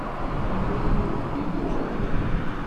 Yenna wagu, yenna waḍu.